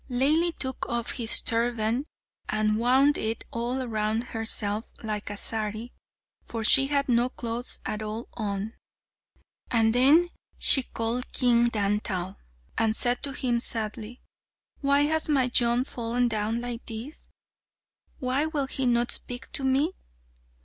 Laili took off his turban and wound it all round herself like a sari (for she had no clothes at all on), and then she called King Dantal, and said to him sadly, "Why has Majnun fallen down like this? Why will he not speak to me?